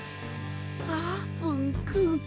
あーぷんくん。